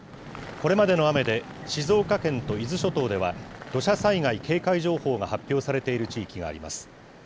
これまでの雨で、静岡県の伊豆諸島では、土砂災害警戒情報が発表されている地域があります。